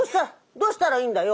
どうしたらいいんだよ？